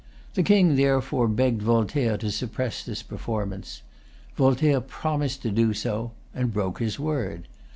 The King, therefore, begged Voltaire to suppress this performance. Voltaire promised to do so, and broke his word.